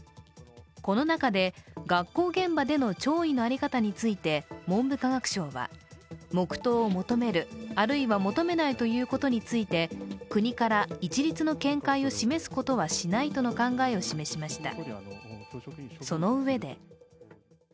この中で、学校現場での弔意の在り方について文部科学省は黙とうを求める、あるいは求めないということについて国から一律の見解を示すことはしないとの考えを示しました。